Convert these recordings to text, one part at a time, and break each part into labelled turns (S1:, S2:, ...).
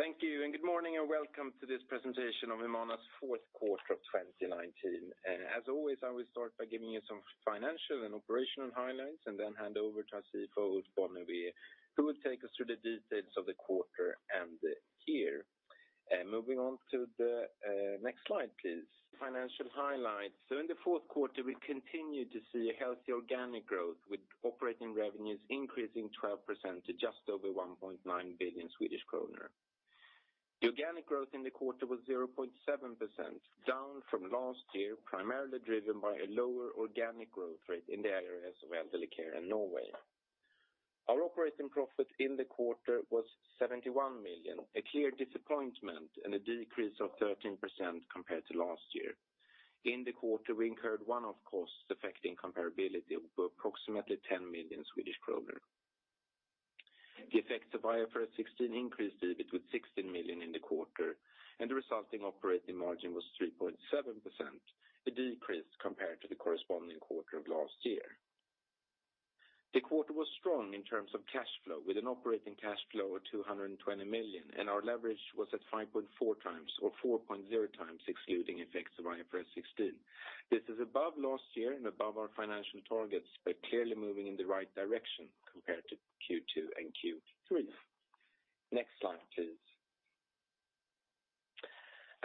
S1: Thank you, good morning, and welcome to this presentation of Humana's fourth quarter of 2019. As always, I will start by giving you some financial and operational highlights, and then hand over to our CFO, Ulf Bonnevier, who will take us through the details of the quarter and the year. Moving on to the next slide, please. Financial highlights. In the fourth quarter, we continued to see a healthy organic growth, with operating revenues increasing 12% to just over 1.9 billion Swedish kronor. The organic growth in the quarter was 0.7%, down from last year, primarily driven by a lower organic growth rate in the areas of Elderly Care and Norway. Our operating profit in the quarter was 71 million, a clear disappointment, and a decrease of 13% compared to last year. In the quarter, we incurred one-off costs affecting comparability of approximately 10 million Swedish kronor. The effects of IFRS 16 increased EBIT with 16 million in the quarter, and the resulting operating margin was 3.7%, a decrease compared to the corresponding quarter of last year. The quarter was strong in terms of cash flow, with an operating cash flow of 220 million, and our leverage was at 5.4 times or 4.0 times excluding effects of IFRS 16. This is above last year and above our financial targets, but clearly moving in the right direction compared to Q2 and Q3. Next slide, please.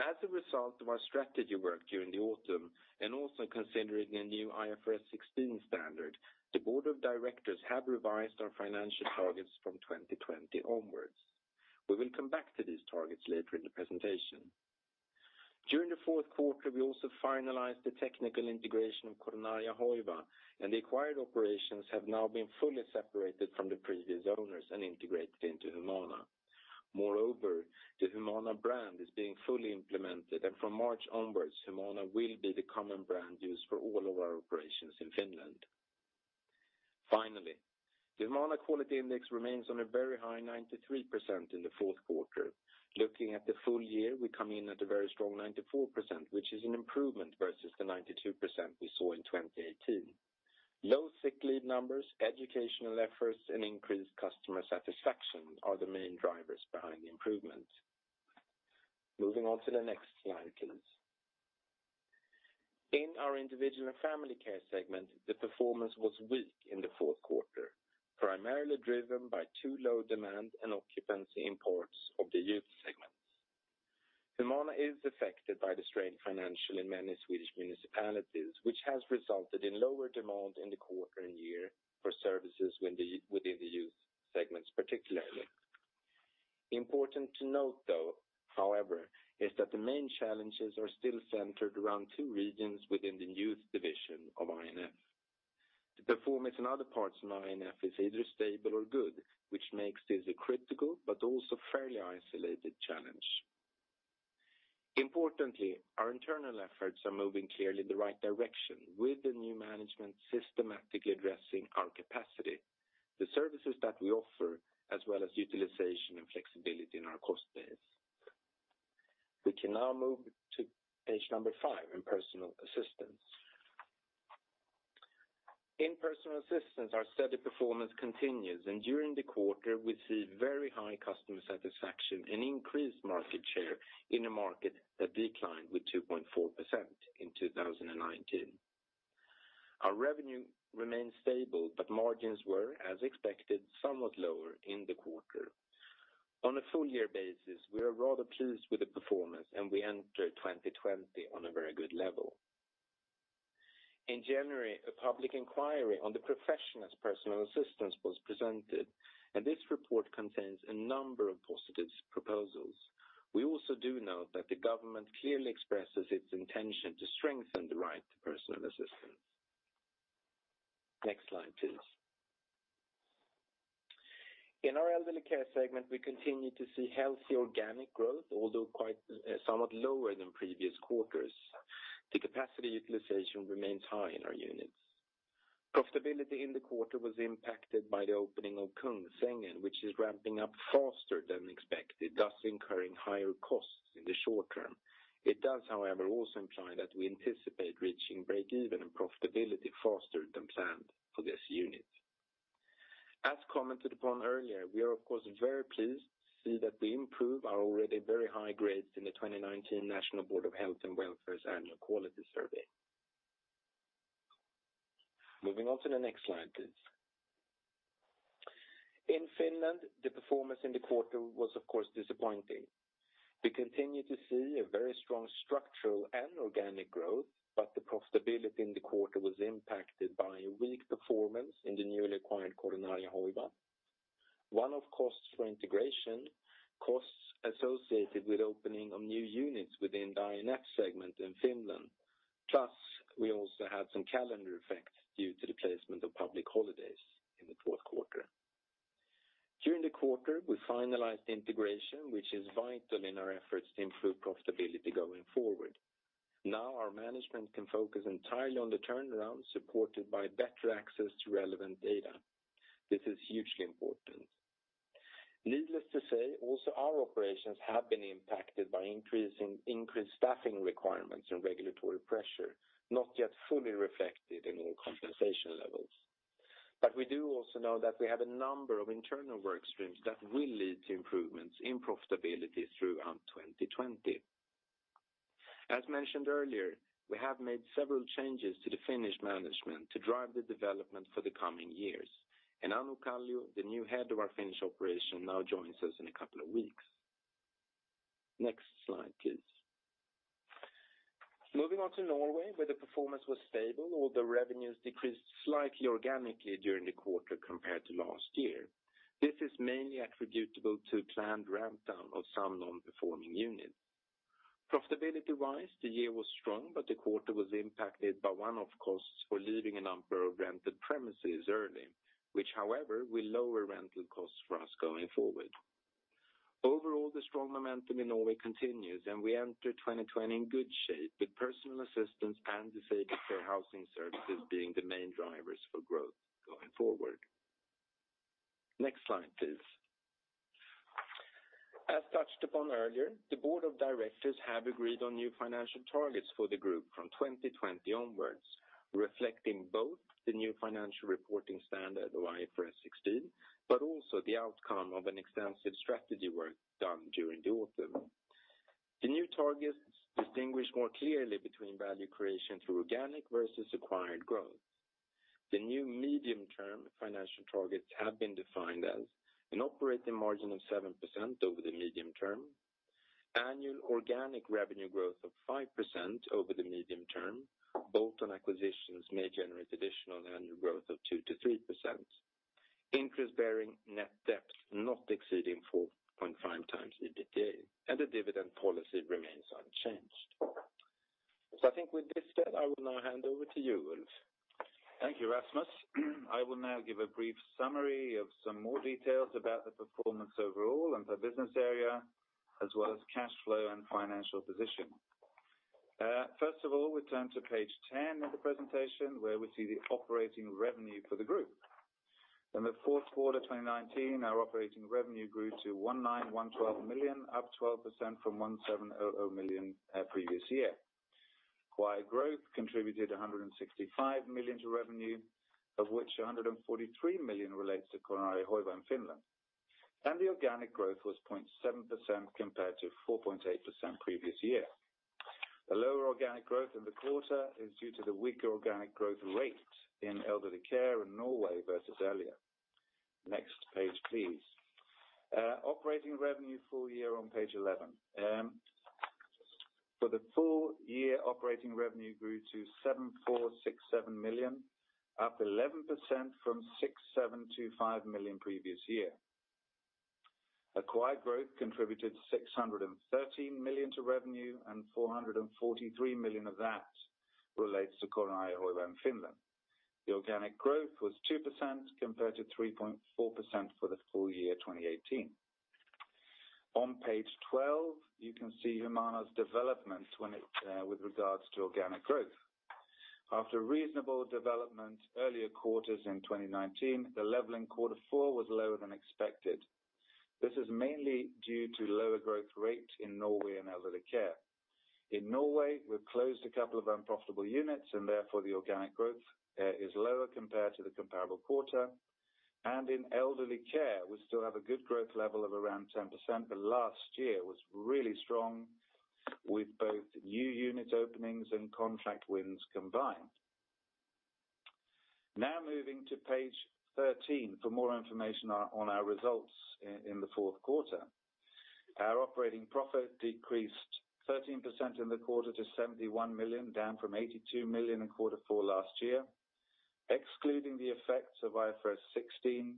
S1: As a result of our strategy work during the autumn, and also considering the new IFRS 16 standard, the board of directors have revised our financial targets from 2020 onwards. We will come back to these targets later in the presentation. During the fourth quarter, we also finalized the technical integration of Coronaria Hoiva, and the acquired operations have now been fully separated from the previous owners and integrated into Humana. Moreover, the Humana brand is being fully implemented, and from March onwards, Humana will be the common brand used for all of our operations in Finland. Finally, the Humana quality index remains on a very high 93% in the fourth quarter. Looking at the full year, we come in at a very strong 94%, which is an improvement versus the 92% we saw in 2018. Low sick leave numbers, educational efforts, and increased customer satisfaction are the main drivers behind the improvement. Moving on to the next slide, please. In our individual and family care segment, the performance was weak in the fourth quarter, primarily driven by too low demand and occupancy in parts of the youth segment. Humana is affected by the strained financial in many Swedish municipalities, which has resulted in lower demand in the quarter and year for services within the youth segments particularly. Important to note though, however, is that the main challenges are still centered around two regions within the youth division of INF. The performance in other parts of INF is either stable or good, which makes this a critical but also fairly isolated challenge. Importantly, our internal efforts are moving clearly in the right direction, with the new management systematically addressing our capacity, the services that we offer, as well as utilization and flexibility in our cost base. We can now move to page number five in personal assistance. In personal assistance, our steady performance continues, and during the quarter we see very high customer satisfaction and increased market share in a market that declined with 2.4% in 2019. Our revenue remains stable, but margins were, as expected, somewhat lower in the quarter. On a full year basis, we are rather pleased with the performance. We enter 2020 on a very good level. In January, a public inquiry on the professionals personal assistance was presented. This report contains a number of positive proposals. We also do note that the government clearly expresses its intention to strengthen the right to personal assistance. Next slide, please. In our Elderly Care segment, we continue to see healthy organic growth, although quite somewhat lower than previous quarters. The capacity utilization remains high in our units. Profitability in the quarter was impacted by the opening of Kungsängen, which is ramping up faster than expected, thus incurring higher costs in the short term. It does, however, also imply that we anticipate reaching break-even and profitability faster than planned for this unit. As commented upon earlier, we are of course very pleased to see that we improve our already very high grades in the 2019 National Board of Health and Welfare's annual quality survey. Moving on to the next slide, please. In Finland, the performance in the quarter was of course disappointing. We continue to see a very strong structural and organic growth, but the profitability in the quarter was impacted by a weak performance in the newly acquired Coronaria Hoiva. One-off costs for integration, costs associated with opening of new units within the INF segment in Finland. We also had some calendar effects due to the placement of public holidays in the fourth quarter. During the quarter, we finalized the integration, which is vital in our efforts to improve profitability going forward. Our management can focus entirely on the turnaround supported by better access to relevant data. This is hugely important. Needless to say, also our operations have been impacted by increased staffing requirements and regulatory pressure, not yet fully reflected in our compensation levels. We do also know that we have a number of internal work streams that will lead to improvements in profitability throughout 2020. As mentioned earlier, we have made several changes to the Finnish management to drive the development for the coming years, and Anu Kallio, the new head of our Finnish operation, now joins us in a couple of weeks. Next slide, please. Moving on to Norway, where the performance was stable. All the revenues decreased slightly organically during the quarter compared to last year. This is mainly attributable to planned ramp-down of some non-performing units. Profitability-wise, the year was strong, but the quarter was impacted by one-off costs for leaving a number of rented premises early, which however, will lower rental costs for us going forward. Overall, the strong momentum in Norway continues. We enter 2020 in good shape with personal assistance and disabled care housing services being the main drivers for growth going forward. Next slide, please. As touched upon earlier, the board of directors have agreed on new financial targets for the group from 2020 onwards, reflecting both the new financial reporting standard, IFRS 16, but also the outcome of an extensive strategy work done during the autumn. The new targets distinguish more clearly between value creation through organic versus acquired growth. The new medium-term financial targets have been defined as an operating margin of 7% over the medium term, annual organic revenue growth of 5% over the medium term. Both on acquisitions may generate additional annual growth of 2% to 3%. Interest-bearing net debt not exceeding 4.5 times EBITDA, and the dividend policy remains unchanged. I think with this said, I will now hand over to you, Ulf.
S2: Thank you, Rasmus. I will now give a brief summary of some more details about the performance overall and per business area, as well as cash flow and financial position. First of all, we turn to page 10 of the presentation where we see the operating revenue for the group. In the fourth quarter 2019, our operating revenue grew to 1,912 million, up 12% from 1,700 million previous year. Acquired growth contributed 165 million to revenue, of which 143 million relates to Coronaria Hoiva in Finland. The organic growth was 0.7% compared to 4.8% previous year. The lower organic growth in the quarter is due to the weaker organic growth rate in Elderly Care in Norway versus earlier. Next page, please. Operating revenue full year on page 11. For the full year, operating revenue grew to 7,467 million, up 11% from 6,725 million previous year. Acquired growth contributed 613 million to revenue and 443 million of that relates to Coronaria Hoiva in Finland. The organic growth was 2% compared to 3.4% for the full year 2018. On page 12, you can see Humana's development with regards to organic growth. After reasonable development earlier quarters in 2019, the level in quarter four was lower than expected. This is mainly due to lower growth rate in Norway and Elderly Care. In Norway, we've closed a couple of unprofitable units, therefore the organic growth is lower compared to the comparable quarter. In Elderly Care, we still have a good growth level of around 10%, but last year was really strong with both new unit openings and contract wins combined. Moving to page 13 for more information on our results in the fourth quarter. Our operating profit decreased 13% in the quarter to 71 million, down from 82 million in quarter four last year. Excluding the effects of IFRS 16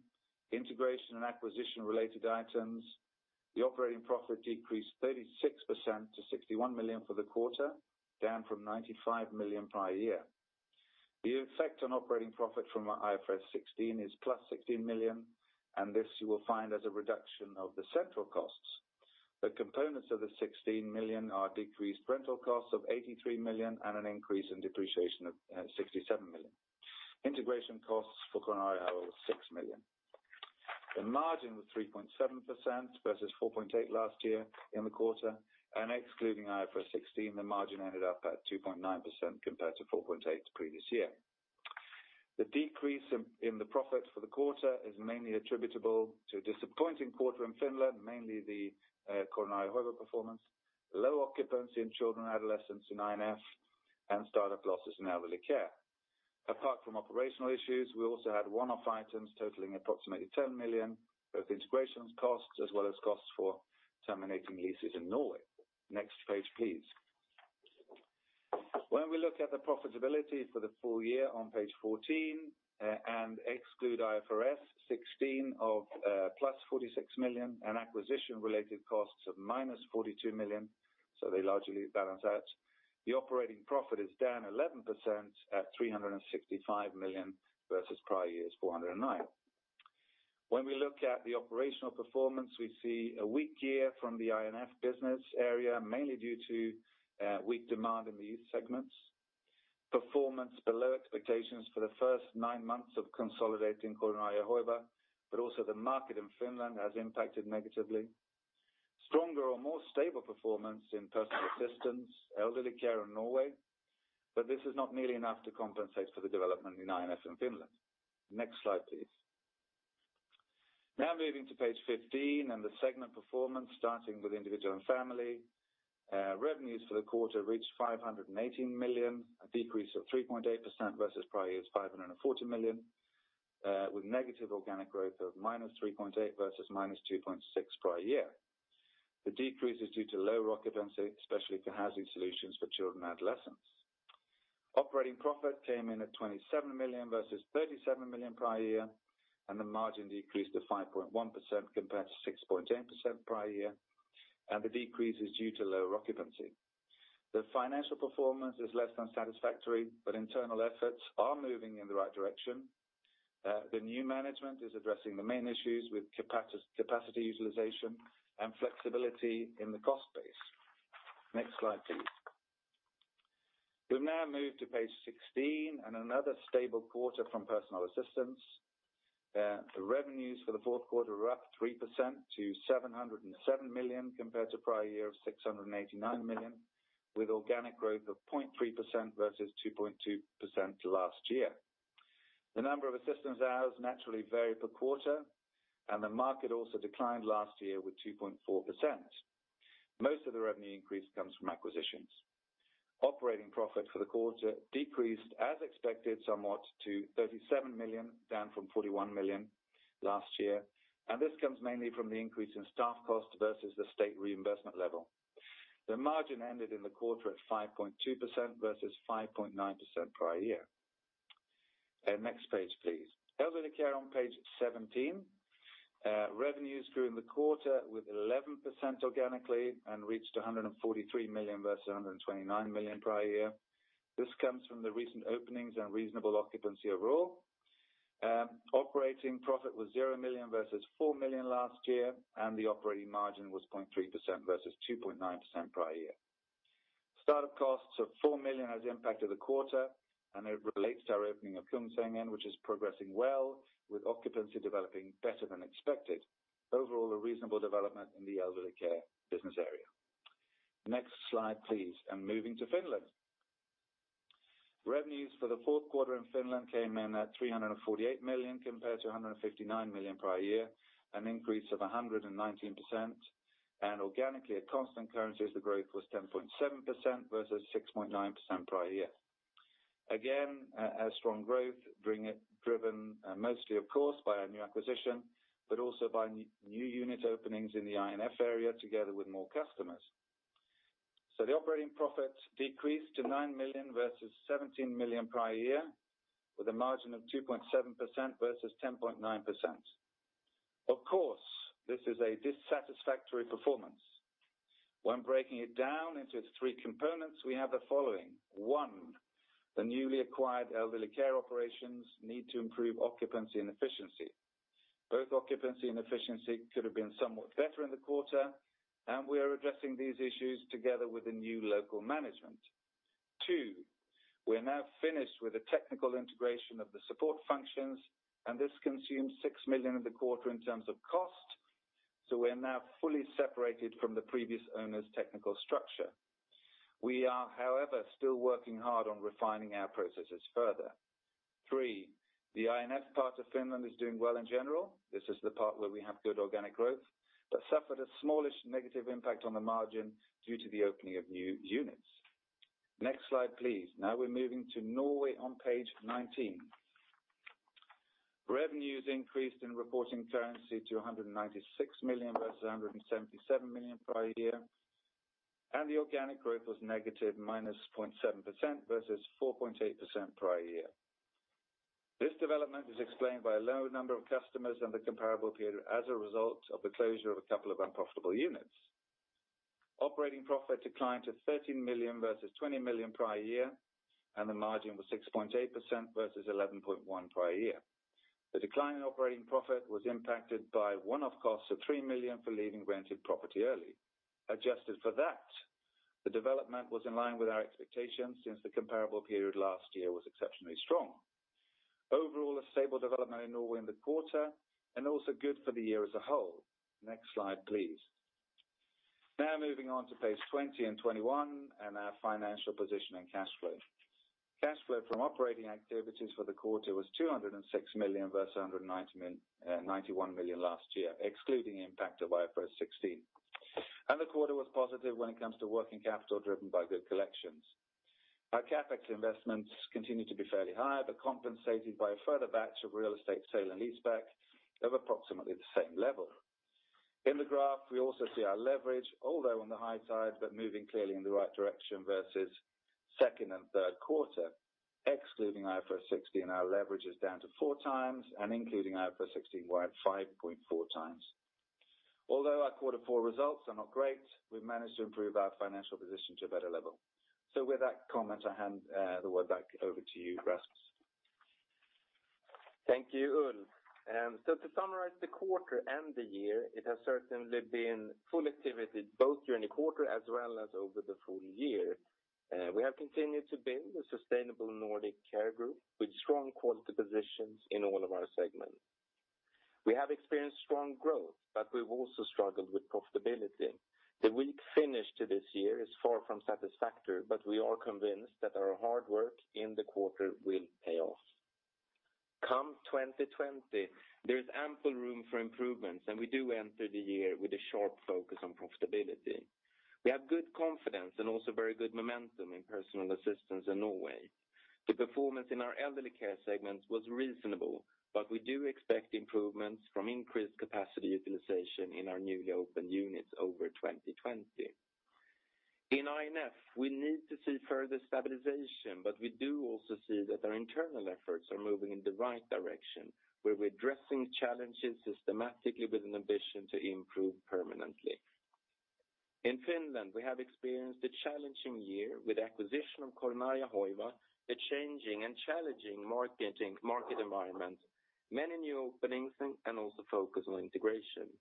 S2: integration and acquisition related items, the operating profit decreased 36% to 61 million for the quarter, down from 95 million prior year. The effect on operating profit from our IFRS 16 is +16 million, this you will find as a reduction of the central costs. The components of the 16 million are decreased rental costs of 83 million and an increase in depreciation of 67 million. Integration costs for Coronaria Hoiva was 6 million. The margin was 3.7% versus 4.8% last year in the quarter, excluding IFRS 16, the margin ended up at 2.9% compared to 4.8% previous year. The decrease in the profit for the quarter is mainly attributable to a disappointing quarter in Finland, mainly the Coronaria Hoiva performance, low occupancy in Children & Adolescents in INF, and start-up losses in Elderly Care. Apart from operational issues, we also had one-off items totaling approximately 10 million, both integrations costs as well as costs for terminating leases in Norway. Next page, please. We look at the profitability for the full year on page 14 and exclude IFRS 16 of plus 46 million and acquisition related costs of minus 42 million, so they largely balance out. The operating profit is down 11% at 365 million versus prior year's 409 million. We look at the operational performance, we see a weak year from the INF business area, mainly due to weak demand in the youth segments. Performance below expectations for the first nine months of consolidating Coronaria Hoiva, but also the market in Finland has impacted negatively. Stronger or more stable performance in Personal Assistance, Elderly Care in Norway. This is not nearly enough to compensate for the development in INF in Finland. Next slide, please. Moving to page 15 and the segment performance starting with Individual and Family. Revenues for the quarter reached 518 million, a decrease of 3.8% versus prior year's 540 million, with negative organic growth of -3.8% versus -2.6% prior year. The decrease is due to low occupancy, especially for housing solutions for Children & Adolescents. Operating profit came in at 27 million versus 37 million prior year, and the margin decreased to 5.1% compared to 6.8% prior year. The decrease is due to low occupancy. The financial performance is less than satisfactory, but internal efforts are moving in the right direction. The new management is addressing the main issues with capacity utilization and flexibility in the cost base. Next slide, please. We've now moved to page 16 and another stable quarter from Personal Assistance. The revenues for the fourth quarter were up 3% to 707 million compared to prior year of 689 million, with organic growth of 0.3% versus 2.2% last year. The number of assistance hours naturally vary per quarter, and the market also declined last year with 2.4%. Most of the revenue increase comes from acquisitions. Operating profit for the quarter decreased as expected, somewhat to 37 million, down from 41 million last year, and this comes mainly from the increase in staff cost versus the state reimbursement level. The margin ended in the quarter at 5.2% versus 5.9% prior year. Next page, please. Elderly Care on page 17. Revenues grew in the quarter with 11% organically and reached 143 million versus 129 million prior year. This comes from the recent openings and reasonable occupancy overall. Operating profit was 0 million versus 4 million last year, and the operating margin was 0.3% versus 2.9% prior year. Start-up costs of 4 million has impacted the quarter, and it relates to our opening of Kungsängen, which is progressing well, with occupancy developing better than expected. Overall, a reasonable development in the Elderly Care business area. Next slide, please. Moving to Finland. Revenues for the fourth quarter in Finland came in at 348 million compared to 159 million prior year, an increase of 119%. Organically at constant currencies, the growth was 10.7% versus 6.9% prior year. Again, a strong growth driven mostly, of course, by our new acquisition, but also by new unit openings in the INF area, together with more customers. The operating profit decreased to 9 million versus 17 million prior year, with a margin of 2.7% versus 10.9%. Of course, this is a dissatisfactory performance. When breaking it down into its three components, we have the following. One, the newly acquired Elderly Care operations need to improve occupancy and efficiency. Both occupancy and efficiency could have been somewhat better in the quarter, and we are addressing these issues together with the new local management. Two, we are now finished with the technical integration of the support functions, and this consumed 6 million in the quarter in terms of cost. We are now fully separated from the previous owner's technical structure. We are, however, still working hard on refining our processes further. Three, the INF part of Finland is doing well in general. This is the part where we have good organic growth, but suffered a smallish negative impact on the margin due to the opening of new units. Next slide, please. We're moving to Norway on page 19. Revenues increased in reporting currency to 196 million versus 177 million prior year. The organic growth was -0.7% versus 4.8% prior year. This development is explained by a lower number of customers in the comparable period as a result of the closure of a couple of unprofitable units. Operating profit declined to 13 million versus 20 million prior year. The margin was 6.8% versus 11.1% prior year. The decline in operating profit was impacted by one-off costs of 3 million for leaving rented property early. Adjusted for that, the development was in line with our expectations since the comparable period last year was exceptionally strong. Overall, a stable development in Norway in the quarter, and also good for the year as a whole. Next slide, please. Moving on to page 20 and 21 and our financial position and cash flow. Cash flow from operating activities for the quarter was 206 million versus 191 million last year, excluding the impact of IFRS 16. The quarter was positive when it comes to working capital driven by good collections. Our CapEx investments continued to be fairly high, but compensated by a further batch of real estate sale and lease back of approximately the same level. In the graph, we also see our leverage, although on the high side, but moving clearly in the right direction versus second and third quarter. Excluding IFRS 16, our leverage is down to four times, and including IFRS 16, we're at 5.4 times. Although our Q4 results are not great, we've managed to improve our financial position to a better level. With that comment, I hand the word back over to you, Rasmus.
S1: Thank you, Ulf. To summarize the quarter and the year, it has certainly been full activity both during the quarter as well as over the full year. We have continued to build a sustainable Nordic care group with strong quality positions in all of our segments. We have experienced strong growth, but we've also struggled with profitability. The weak finish to this year is far from satisfactory, but we are convinced that our hard work in the quarter will pay off. Come 2020, there is ample room for improvements, and we do enter the year with a sharp focus on profitability. We have good confidence and also very good momentum in personal assistance in Norway. The performance in our Elderly Care segment was reasonable, but we do expect improvements from increased capacity utilization in our newly opened units over 2020. In INF, we need to see further stabilization, but we do also see that our internal efforts are moving in the right direction, where we're addressing challenges systematically with an ambition to improve permanently. In Finland, we have experienced a challenging year with acquisition of Coronaria Hoiva, the changing and challenging market environment, many new openings, and also focus on integration.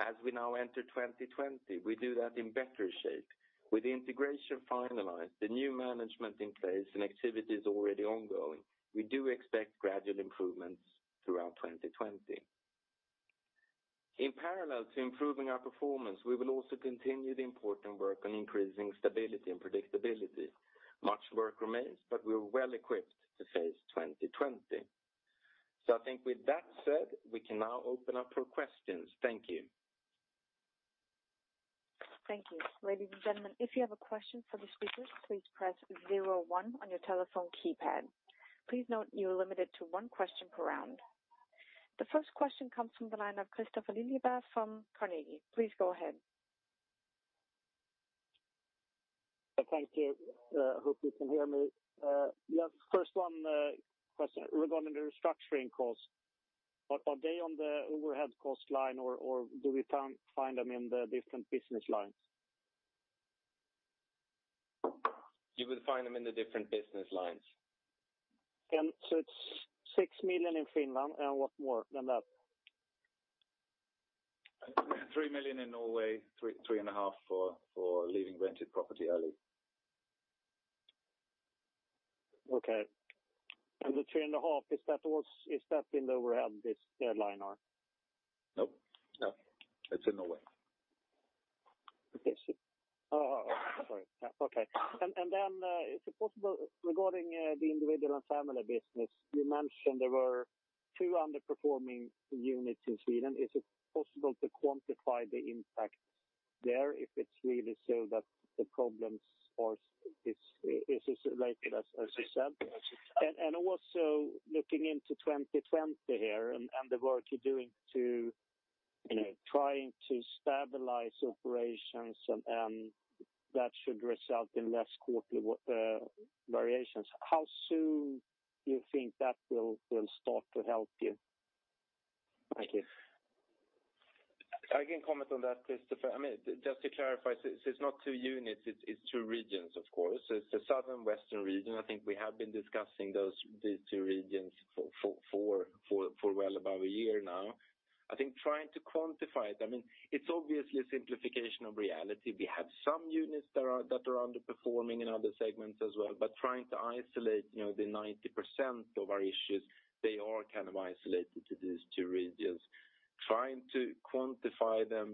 S1: As we now enter 2020, we do that in better shape. With integration finalized, the new management in place, and activities already ongoing, we do expect gradual improvements throughout 2020. In parallel to improving our performance, we will also continue the important work on increasing stability and predictability. Much work remains, but we're well-equipped to face 2020. I think with that said, we can now open up for questions. Thank you.
S3: Thank you. Ladies and gentlemen, if you have a question for the speakers, please press 01 on your telephone keypad. Please note you are limited to one question per round. The first question comes from the line of Christopher Liljeblad from Carnegie. Please go ahead.
S4: Thank you. Hope you can hear me. First one, question regarding the restructuring costs. Are they on the overhead cost line, or do we find them in the different business lines?
S1: You will find them in the different business lines.
S4: It's 6 million in Finland, and what more than that?
S1: 3 million in Norway, 3.5 for leaving rented property early.
S4: Okay. The 3.5, is that in the overhead line?
S1: No. It's in Norway.
S4: Okay. Sorry. Is it possible regarding the Individual and Family business, you mentioned there were two underperforming units in Sweden. Is it possible to quantify the impact there if it's really so that the problems are as related as you said? Looking into 2020 here and the work you're doing to trying to stabilize operations, that should result in less quarterly variations. How soon you think that will start to help you? Thank you.
S1: I can comment on that, Christopher. Just to clarify, it's not two units, it's two regions, of course. It's the southern western region. I think we have been discussing these two regions for well above a year now. I think trying to quantify it's obviously a simplification of reality. We have some units that are underperforming in other segments as well, but trying to isolate the 90% of our issues, they are kind of isolated to these two regions. Trying to quantify them,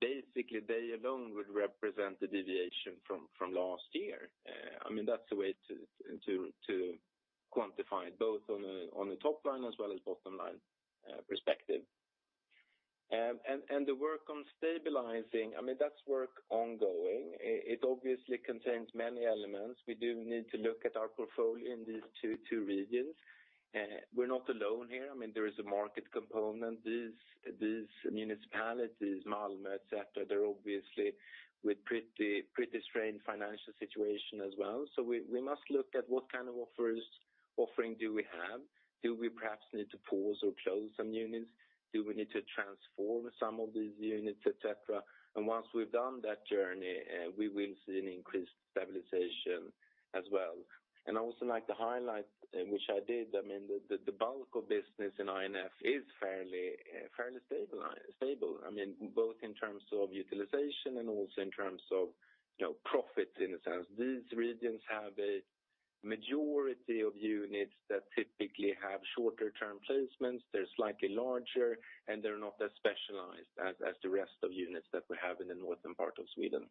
S1: basically they alone would represent the deviation from last year. That's the way to quantify it, both on a top line as well as bottom line perspective. The work on stabilizing, that's work ongoing. It obviously contains many elements. We do need to look at our portfolio in these two regions. We're not alone here. There is a market component. These municipalities, Malmö, et cetera, they're obviously with pretty strained financial situation as well. We must look at what kind of offering do we have. Do we perhaps need to pause or close some units? Do we need to transform some of these units, et cetera? Once we've done that journey, we will see an increased stabilization as well. I also like to highlight, which I did, the bulk of business in INF is fairly stable. Both in terms of utilization and also in terms of profit, in a sense. These regions have a majority of units that typically have shorter-term placements. They're slightly larger, and they're not as specialized as the rest of units that we have in the northern part of Sweden.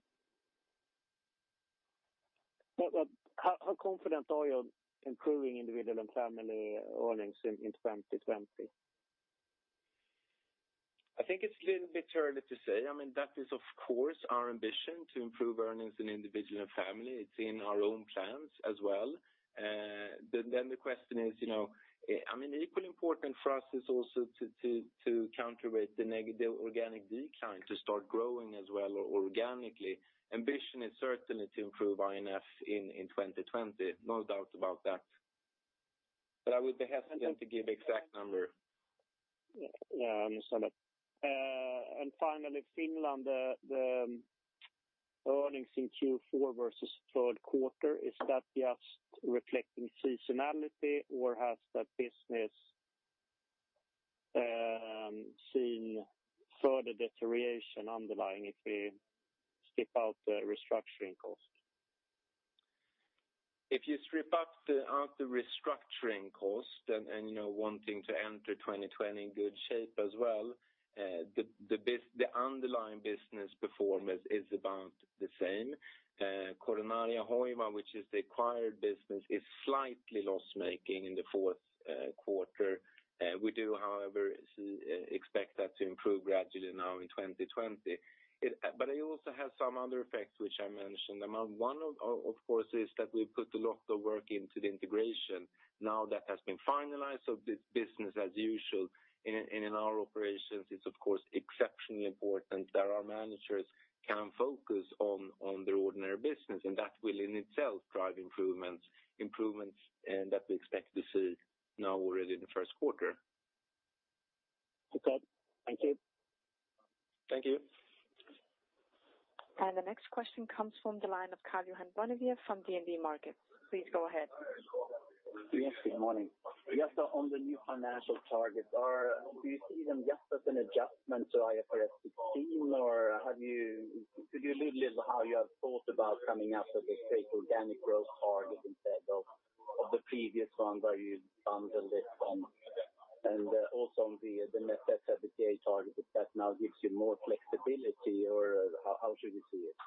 S4: How confident are you on improving individual and family earnings in 2020?
S1: I think it's a little bit early to say. That is, of course, our ambition to improve earnings in individual and family. It's in our own plans as well. The question is, equally important for us is also to counterweight the negative organic decline to start growing as well organically. Ambition is certainly to improve INF in 2020, no doubt about that. I would be hesitant to give exact number.
S4: Yeah, understand that. Finally, Finland, the earnings in Q4 versus third quarter, is that just reflecting seasonality, or has that business seeing further deterioration underlying if we strip out the restructuring cost?
S1: If you strip out the restructuring cost and wanting to enter 2020 in good shape as well, the underlying business performance is about the same. Coronaria Hoiva, which is the acquired business, is slightly loss-making in the fourth quarter. We do, however, expect that to improve gradually now in 2020. It also has some other effects, which I mentioned. One, of course, is that we put a lot of work into the integration. Now that has been finalized, so business as usual. In our operations, it's of course exceptionally important that our managers can focus on their ordinary business, and that will in itself drive improvements that we expect to see now already in the first quarter.
S4: Okay. Thank you.
S1: Thank you.
S3: The next question comes from the line of Karl-Johan Bonnevier from DNB Markets. Please go ahead.
S5: Yes, good morning. Just on the new financial targets, do you see them just as an adjustment to IFRS 16, or could you lead a little how you have thought about coming up with a straight organic growth target instead of the previous one where you bundle this on? Also on the net debt to EBITDA target, that now gives you more flexibility, or how should we see it?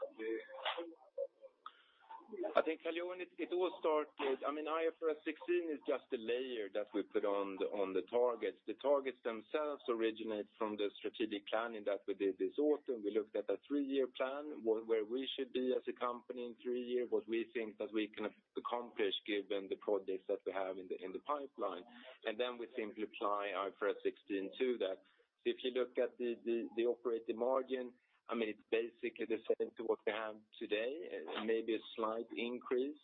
S1: I think, Karl-Johan, it all started. IFRS 16 is just a layer that we put on the targets. The targets themselves originate from the strategic planning that we did this autumn. We looked at a three-year plan, where we should be as a company in three years, what we think that we can accomplish given the projects that we have in the pipeline. Then we simply apply IFRS 16 to that. If you look at the operating margin, it's basically the same to what we have today, maybe a slight increase.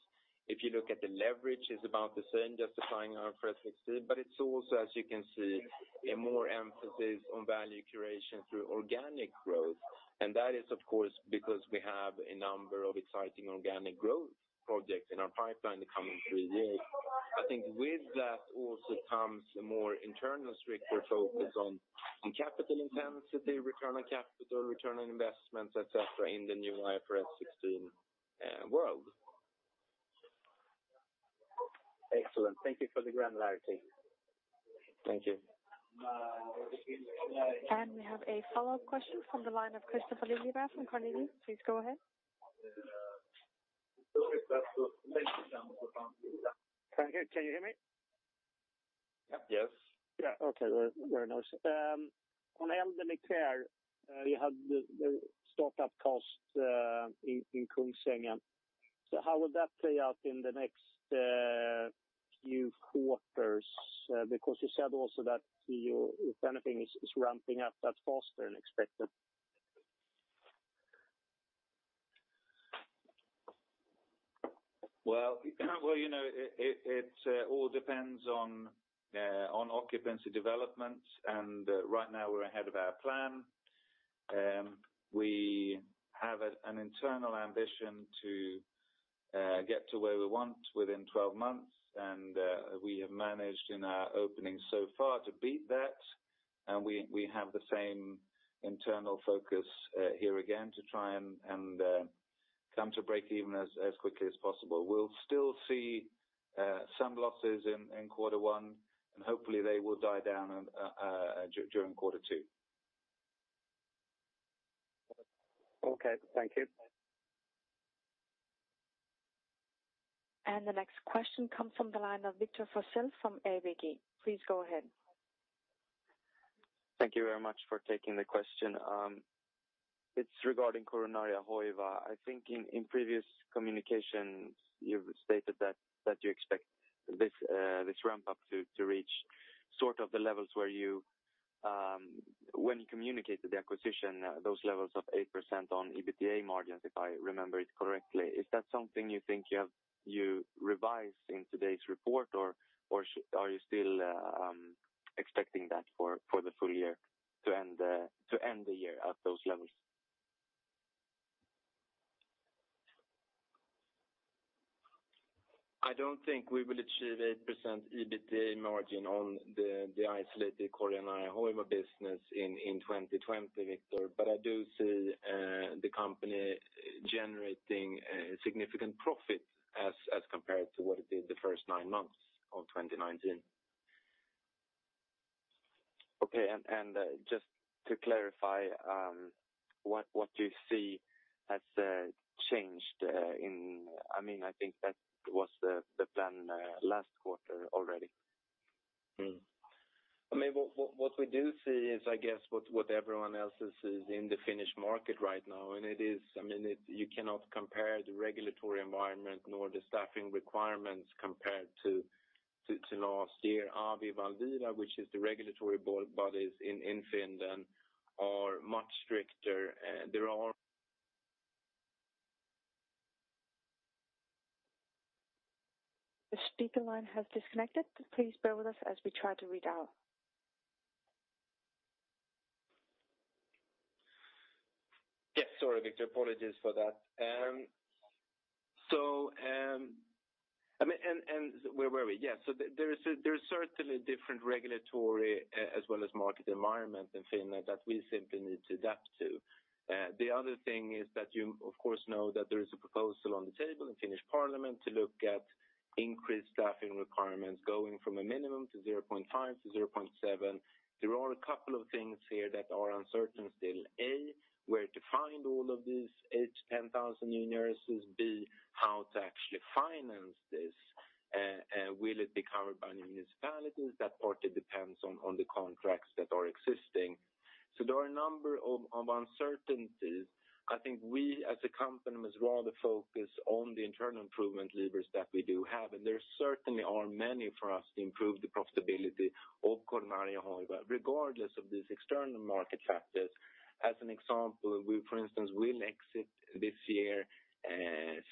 S1: If you look at the leverage, it's about the same, just applying IFRS 16. It's also, as you can see, a more emphasis on value curation through organic growth. That is, of course, because we have a number of exciting organic growth projects in our pipeline the coming three years. I think with that also comes a more internal stricter focus on capital intensity, return on capital, return on investments, et cetera, in the new IFRS 16 world.
S5: Excellent. Thank you for the granularity.
S1: Thank you.
S3: We have a follow-up question from the line of Christopher Liljeblad from Carnegie. Please go ahead.
S4: Can you hear me?
S1: Yep. Yes.
S4: Okay, very nice. On Elderly Care, you had the startup cost in Kungsängen. How would that play out in the next few quarters? You said also that if anything is ramping up, that's faster than expected.
S1: Well, it all depends on occupancy developments. Right now we're ahead of our plan. We have an internal ambition to get to where we want within 12 months, we have managed in our opening so far to beat that. We have the same internal focus here again to try and come to break even as quickly as possible. We'll still see some losses in quarter one, hopefully they will die down during quarter two.
S4: Okay, thank you.
S3: The next question comes from the line of Victor Forssell from ABG. Please go ahead.
S6: Thank you very much for taking the question. It's regarding Coronaria Hoiva. I think in previous communications, you've stated that you expect this ramp-up to reach sort of the levels where when you communicated the acquisition, those levels of 8% on EBITDA margins, if I remember it correctly. Is that something you think you revised in today's report, or are you still expecting that for the full year to end the year at those levels?
S1: I don't think we will achieve 8% EBITDA margin on the isolated Coronaria Hoiva business in 2020, Victor. I do see the company generating significant profit as compared to what it did the first nine months of 2019.
S6: Okay. Just to clarify, what do you see has changed in I think that was the plan last quarter already.
S1: What we do see is, I guess, what everyone else sees in the Finnish market right now, and you cannot compare the regulatory environment nor the staffing requirements compared to last year. AVI and Valvira, which is the regulatory bodies in Finland, are much stricter.
S3: The speaker line has disconnected. Please bear with us as we try to redial.
S1: Yes, sorry, Victor Forssell. Apologies for that. Where were we? Yes. There is certainly different regulatory as well as market environment in Finland that we simply need to adapt to. The other thing is that you of course know that there is a proposal on the table in Finnish parliament to look at increased staffing requirements going from a minimum to 0.5 to 0.7. There are a couple of things here that are uncertain still. A, where to find all of these 8,000-10,000 new nurses. B, how to actually finance this. Will it be covered by the municipalities? That partly depends on the contracts that are existing. There are a number of uncertainties. I think we, as a company, must rather focus on the internal improvement levers that we do have, and there certainly are many for us to improve the profitability of Coronaria Hoiva, regardless of these external market factors. As an example, we, for instance, will exit this year,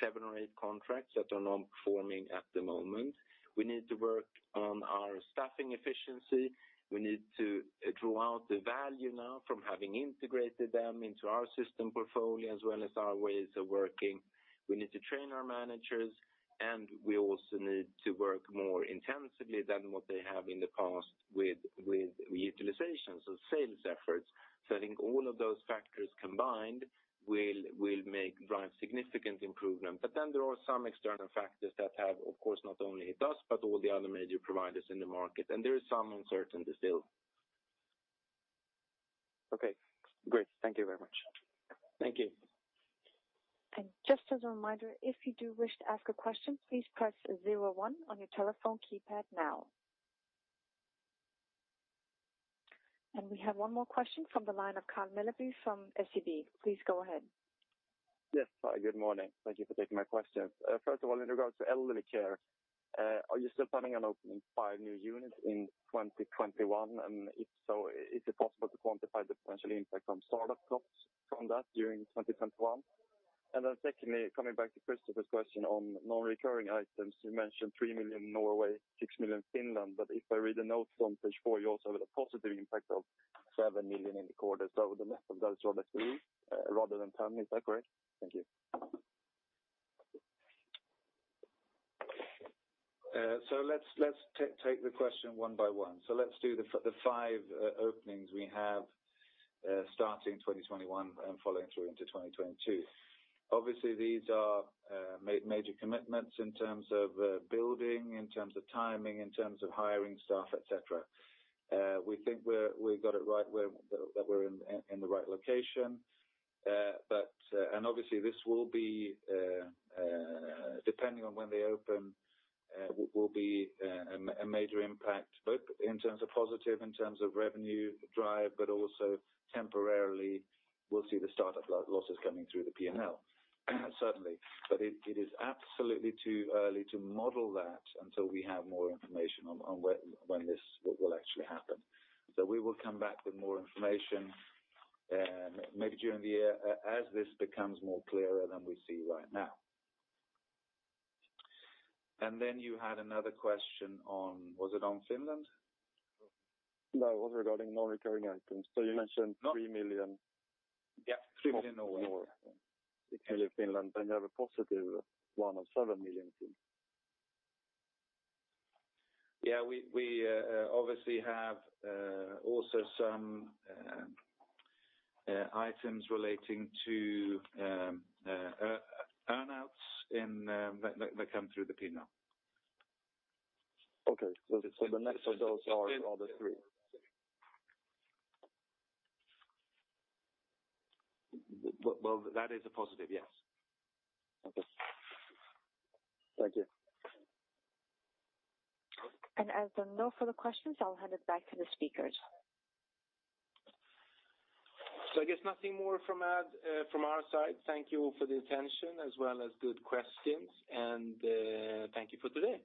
S1: seven or eight contracts that are not performing at the moment. We need to work on our staffing efficiency. We need to draw out the value now from having integrated them into our system portfolio as well as our ways of working. We need to train our managers, and we also need to work more intensively than what they have in the past with reutilizations of sales efforts. I think all of those factors combined will drive significant improvement. There are some external factors that have, of course, not only hit us, but all the other major providers in the market, and there is some uncertainty still.
S6: Okay, great. Thank you very much.
S1: Thank you.
S3: Just as a reminder, if you do wish to ask a question, please press 01 on your telephone keypad now. We have one more question from the line of Carl Mellby from SEB. Please go ahead.
S7: Yes. Good morning. Thank you for taking my question. First of all, in regards to Elderly Care, are you still planning on opening five new units in 2021? If so, is it possible to quantify the potential impact on start-up costs from that during 2021? Secondly, coming back to Christopher's question on non-recurring items. You mentioned 3 million Norway, 6 million Finland, but if I read the notes on page four, you also have a positive impact of 7 million in the quarter. The net of that is rather 3 rather than 10. Is that correct? Thank you.
S1: Let's take the question one by one. Let's do the five openings we have starting 2021 and following through into 2022. Obviously, these are major commitments in terms of building, in terms of timing, in terms of hiring staff, et cetera. We think that we're in the right location. Obviously, this will be depending on when they open, will be a major impact both in terms of positive, in terms of revenue drive, but also temporarily we'll see the start of losses coming through the P&L. Certainly. It is absolutely too early to model that until we have more information on when this will actually happen. We will come back with more information maybe during the year as this becomes more clearer than we see right now. You had another question on Was it on Finland?
S7: No, it was regarding non-recurring items. You mentioned 3 million.
S1: Yeah. 3 million Norway.
S7: 3 million Norway. SEK 6 million Finland, you have a positive one of 7 million.
S1: Yeah, we obviously have also some items relating to earn-outs that come through the P&L.
S7: Okay. The net of those are rather three?
S1: Well, that is a positive, yes.
S7: Okay. Thank you.
S3: As there are no further questions, I'll hand it back to the speakers.
S1: I guess nothing more from our side. Thank you all for the attention as well as good questions. Thank you for today.